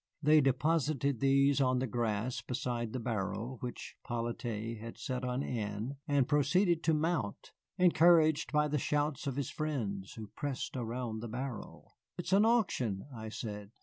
They deposited these on the grass beside the barrel, which 'Polyte had set on end and proceeded to mount, encouraged by the shouts of his friends, who pressed around the barrel. "It's an auction," I said.